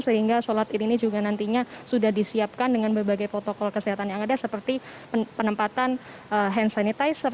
sehingga sholat id ini juga nantinya sudah disiapkan dengan berbagai protokol kesehatan yang ada seperti penempatan hand sanitizer